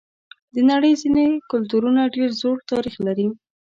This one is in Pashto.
د نړۍ ځینې کلتورونه ډېر زوړ تاریخ لري.